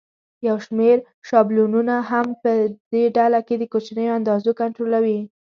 یو شمېر شابلونونه هم په دې ډله کې د کوچنیو اندازو کنټرولوي.